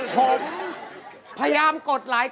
ผมพยายามกดหลายครั้ง